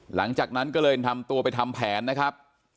หลังจากนั้นก็เลยทำตัวไปทำแผนนะครับ